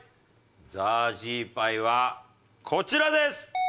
ザージーパイはこちらです！